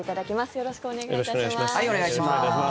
よろしくお願いします。